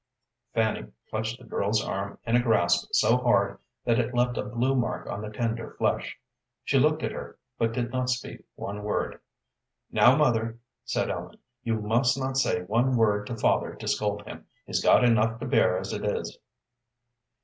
Fanny clutched the girl's arm in a grasp so hard that it left a blue mark on the tender flesh. She looked at her, but did not speak one word. "Now, mother," said Ellen, "you must not say one word to father to scold him. He's got enough to bear as it is."